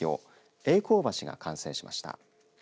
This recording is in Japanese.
栄光橋が完成しました。